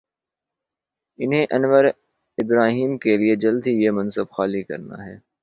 انہیں Anwar Ibrahim کے لیے جلد ہی یہ منصب خالی کر نا ہے۔